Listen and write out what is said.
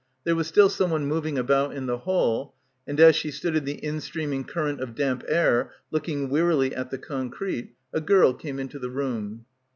There was still someone moving about in the hall, and as she stood in the in streaming current of damp air looking wearily at the concrete — a girl came into the room.